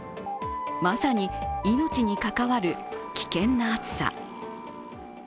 まさに命に関わる危険な暑さ。